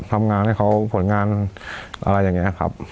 ทำงานให้เขาผลงานอะไรอย่างนี้ครับ